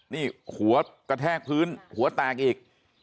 นี่หัวกระแทกพื้นหัวแตกอีก